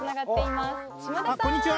こんにちは！